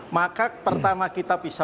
maka pertama kita bisa